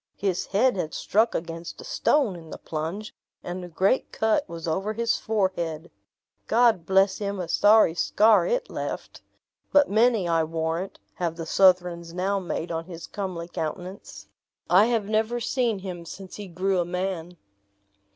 His head had struck against a stone in the plunge, and a great cut was over his forehead. God bless him, a sorry scar it left! but many, I warrant, have the Southrons now made on his comely countenance. I have never seen him since he grew a man."